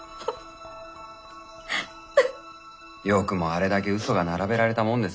よくもあれだけ嘘が並べられたもんです。